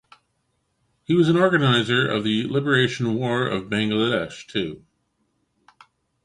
He was an organizer of the Liberation War of Bangladesh too.